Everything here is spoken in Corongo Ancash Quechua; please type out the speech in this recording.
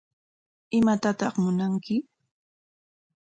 ¿Imatataq munanki?